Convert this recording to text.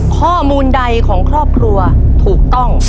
ข้อมูลใดของครอบครัวถูกต้อง